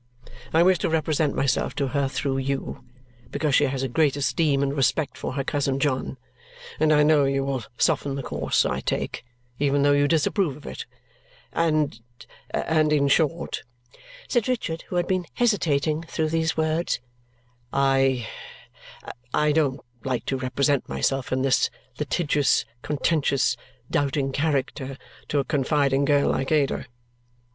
I wish to represent myself to her through you, because she has a great esteem and respect for her cousin John; and I know you will soften the course I take, even though you disapprove of it; and and in short," said Richard, who had been hesitating through these words, "I I don't like to represent myself in this litigious, contentious, doubting character to a confiding girl like Ada."